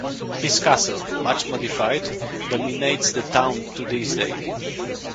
His castle, much modified, dominates the town to this day.